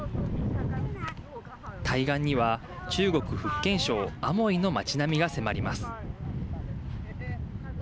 対岸には中国、福建省アモイの町並みが迫ります。